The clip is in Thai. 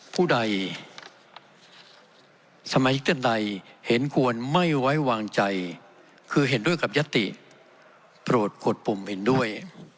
ผู้ใดสมาชิกทันใดเห็นอะวัยวางใจคือเห็นรู้ด้วยกับยติโปรดคดปุ่มเห็นด้วย